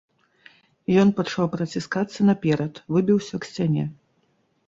Ён пачаў праціскацца наперад, выбіўся к сцяне.